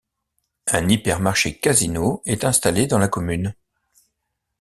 Un hypermarché Casino est installé dans la commune.